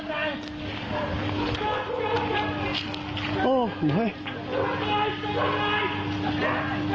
ใส่อะใส่อะ